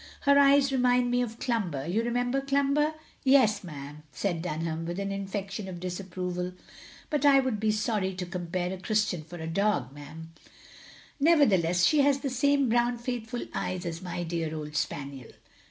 "Her eyes remind me of Cltmiber — ^you re member Cltmiber? " "Yes 'm," said Dunham, with an inflection of disapproval, "but I would be sorry to compare a Christian to a dog 'm." " Nevertheless she has the same brown, faithful eyes as my dear old spaniel."